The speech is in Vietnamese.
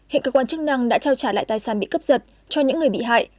hiện cơ quan chức năng đã trao trả lại tài sản bị cướp giật cho những người bị hại